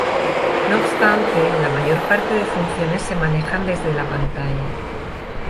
No obstante, la mayor parte de funciones se manejan desde la pantalla.